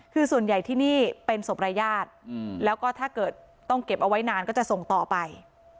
คือส่วนใหญ่ที่นี่เป็นศพรายญาติแล้วก็ถ้าเกิดต้องเก็บเอาไว้นานก็จะส่งต่อไป